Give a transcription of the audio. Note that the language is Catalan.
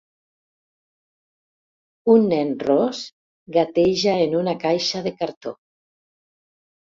Un nen ros gateja en una caixa de cartó.